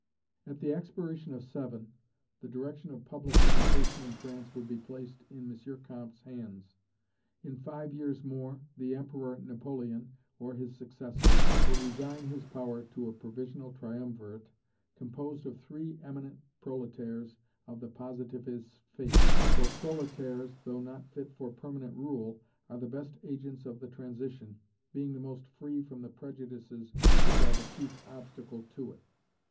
At the expiration of seven, the direction of public education in France would be placed in M. Comte's hands. In five years more, the Emperor Napoleon, or his successor, will resign his power to a provisional triumvirate, composed of three eminent proletaires of the positivist faith; for proletaires, though not fit for permanent rule, are the best agents of the transition, being the most free from the prejudices which are the chief obstacle to it.